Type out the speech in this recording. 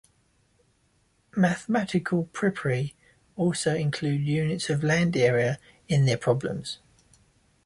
Mathematical papyri also include units of land area in their problems.